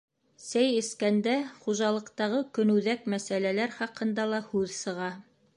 Сәй эскәндә хужалыҡтағы көнүҙәк мәсьәләр хаҡында ла һүҙ сыға.